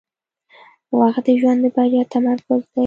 • وخت د ژوند د بریا تمرکز دی.